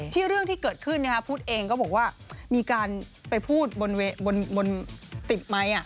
เรื่องที่เกิดขึ้นพุทธเองก็บอกว่ามีการไปพูดบนติดไมค์